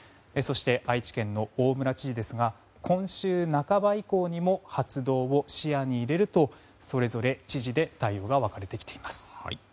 そして愛知県の大村知事ですが今週半ば以降にも発動を視野に入れるとそれぞれ知事で対応が分かれてきています。